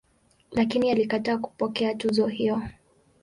Lakini alikataa kupokea tuzo hiyo.